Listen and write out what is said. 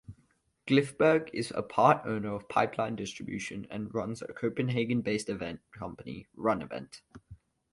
Glifberg is a part-owner of Pipeline Distribution and runs a Copenhagen-based event company "RunEvent".